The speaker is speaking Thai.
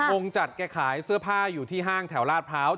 งงจัดแกขายเสื้อผ้าอยู่ที่ห้างแถวลาดพร้าว